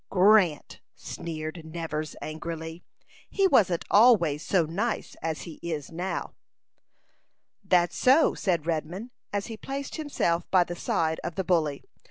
"Grant!" sneered Nevers, angrily. "He wasn't always so nice as he is now." "That's so," said Redman, as he placed himself by the side of the bully.